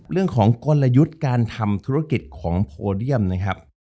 เรื่องของกลยุทธ์การทำธุรกิจของโพเดียมนะครับ